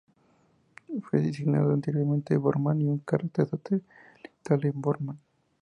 Fue designado anteriormente Borman Y, un cráter satelital de Borman.